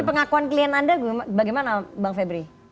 pengakuan klien anda bagaimana bang febri